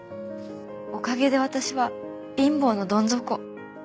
おかげで私は貧乏のどん底。